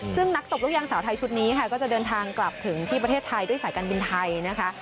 ซึ่งนักตบลูกยางสาวไทยชุดนี้ค่ะก็จะเดินทางกลับถึงที่ประเทศไทยด้วยสายการบินไทยนะคะ